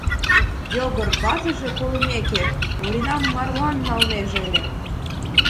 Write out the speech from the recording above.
Йогор, ватыже колымеке, Оринам марлан налнеже ыле...